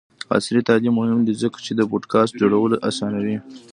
عصري تعلیم مهم دی ځکه چې د پوډکاسټ جوړولو اسانوي.